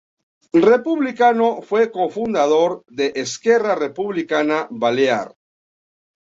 Republicano, fue cofundador de Esquerra Republicana Balear.